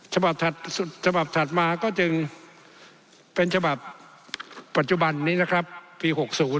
ฉบับถัดมาก็จึงเป็นฉบับปัจจุบันนี้นะครับปี๖๐